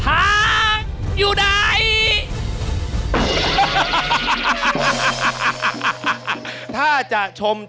เฮ่น้องช้างแต่ละเชือกเนี่ย